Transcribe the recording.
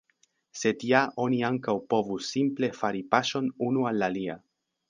Sed ja oni ankaŭ povus simple fari paŝon unu al la alia.